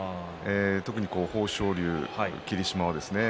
特に豊昇龍、霧島はですね。